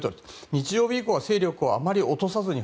日曜日以降は勢力をあまり落とさずに。